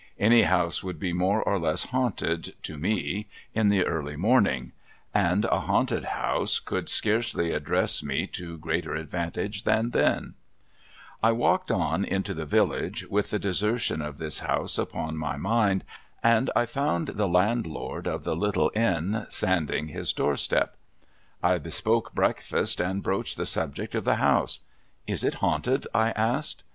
Any house would be more or less haunted, to me, in the early IKEY'S TESTIMONY 203 morning ; and a haunted house could scarcely address me to greater advantage than then, I walked on into the village, with the desertion of this house upon my mind, and 1 found the landlord of the little inn, sanding his door step. I bespoke breakfast, and broached the subject of the house. ' Is it haunted ?' I asked.